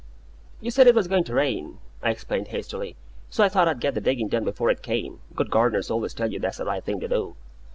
"You said it was going to rain," I explained, hastily; "so I thought I'd get the digging done before it came. Good gardeners always tell you that's the right thing to do."